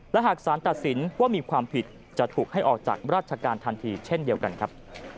และหากสารตัดสินว่ามีความผิดจะถูกให้ออกจากราชการทันทีเช่นเดียวกันครับ